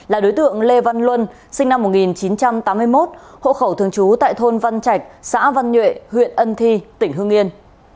là đối tượng lê văn luân sinh năm một nghìn chín trăm tám mươi một hộ khẩu thường trú tại thôn văn trạch xã văn nhuệ huyện ân thi tỉnh hương yên